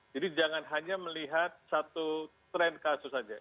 jadi jangan hanya melihat satu tren kasus saja